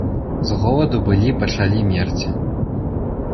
З голаду былі пачалі мерці.